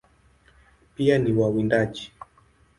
Pia ni wawindaji.